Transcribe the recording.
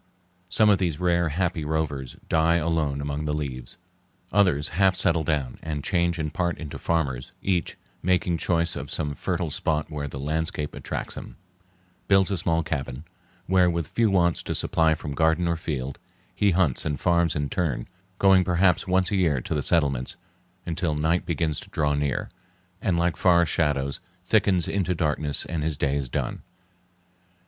Some of these rare, happy rovers die alone among the leaves. Others half settle down and change in part into farmers; each, making choice of some fertile spot where the landscape attracts him, builds a small cabin, where, with few wants to supply from garden or field, he hunts and farms in turn, going perhaps once a year to the settlements, until night begins to draw near, and, like forest shadows, thickens into darkness and his day is done.